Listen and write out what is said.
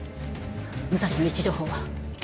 武蔵の位置情報は？